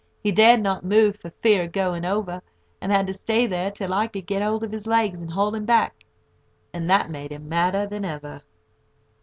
He dared not move for fear of going over, and had to stay there till I could get hold of his legs, and haul him back, and that made him madder than ever.